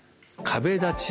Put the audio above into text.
壁立ち。